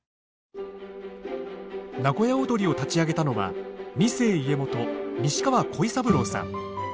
名古屋をどりを立ち上げたのは二世家元西川鯉三郎さん。